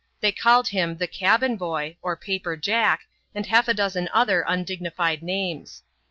They called him " The Cabin Boy," *' Paper Jack," and half a dozen other undignified names.